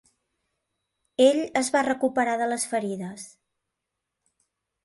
Ell es va recuperar de les ferides.